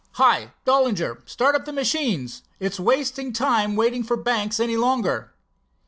Hi, Dollinger, start up the machines. It's wasting time waiting for Banks any longer."